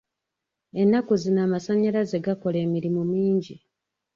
Ennaku zino amasannyalaze gakola emirimu mingi.